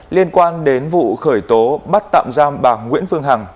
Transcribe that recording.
liên quan đến vụ khởi tố bắt tạm giam bà nguyễn phương hằng